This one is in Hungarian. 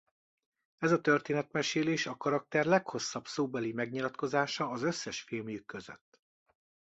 Ez a történetmesélés a karakter leghosszabb szóbeli megnyilatkozása az összes filmjük között.